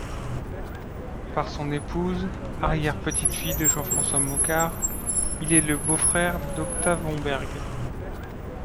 Par son épouse, arrière petite-fille de Jean-François Mocquard, il est le beau-frère d'Octave Homberg.